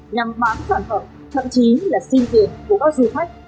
nhằm bán sản phẩm thậm chí là xin việc của các du khách